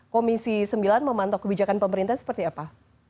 komisi sembilan memantau kebijakan pemerintah seperti apa